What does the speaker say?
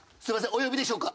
お呼びでしょうか？